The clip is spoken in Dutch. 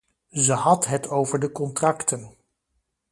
Ze had het over de contracten.